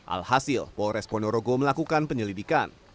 alhasil polres ponorogo melakukan penyelidikan